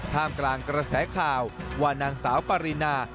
กลางกระแสข่าวว่านางสาวปรินา